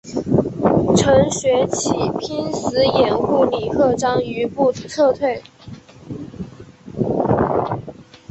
程学启拼死掩护李鹤章余部撤退。